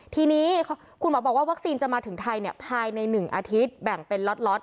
ทีนี้คุณหมอบอกว่าวัคซีนจะมาถึงไทยภายใน๑อาทิตย์แบ่งเป็นล็อต